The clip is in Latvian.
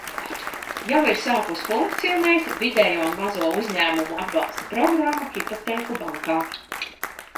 Jau ir sākusi funkcionēt vidējo un mazo uzņēmumu atbalsta programma Hipotēku bankā.